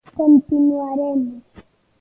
Continuaremos.